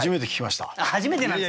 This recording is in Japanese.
初めてなんですか？